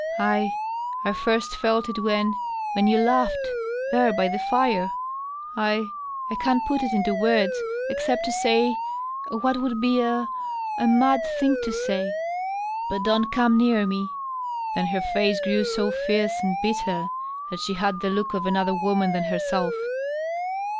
" I — I first felt it when — ^when you laughed, there by the fire. 1 — I can't put it into words, except to say what would be a — a mad thing to say. •. But don't come near me." Then her face grew so fierce and bitter that she had the look of another woman than herself.